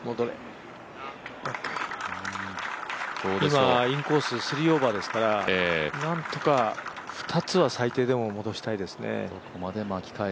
今インコース３オーバーですからなんとか２つは最低でも戻したいですね。